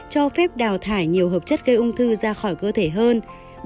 cho phép đào thải nhiều hợp chất gây ung thư ra khỏi cơ thể hơn